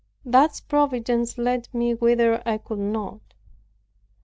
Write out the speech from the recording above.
Thus Providence led me whither I would not.